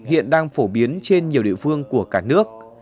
hiện đang phổ biến trên nhiều địa phương của cả nước